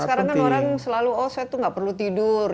karena sekarang orang selalu oh saya itu tidak perlu tidur